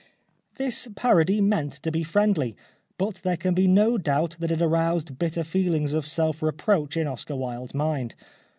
190 The Life of Oscar Wilde The parody meant to be friendly, but there can be no doubt that it aroused bitter feehngs of self reproach in Oscar Wilde's mind.